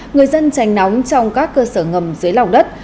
người dân tránh nóng trong các cơ sở ngầm dưới lòng đất